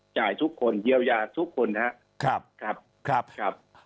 จ่ายทุกคนเยียวยาทุกคนนะครับครับ